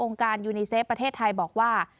การยูนีเซฟประเทศไทยบอกว่า